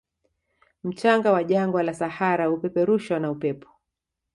Mchanga wa jangwa la sahara hupeperushwa na upepo